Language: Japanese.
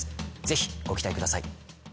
ぜひご期待ください。